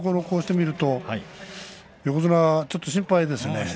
こうして見ると横綱ちょっと心配ですね。